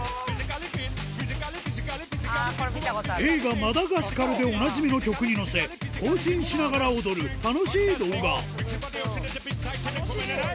映画『マダガスカル』でおなじみの曲に乗せ行進しながら踊る楽しい動画楽しい！